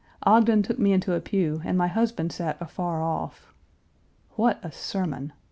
Ogden took me into a pew and my husband sat afar off. What a sermon!